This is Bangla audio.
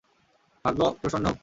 ভাগ্য প্রস্ন হোক।